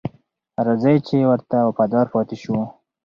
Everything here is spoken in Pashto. راځئ چې ورته وفادار پاتې شو.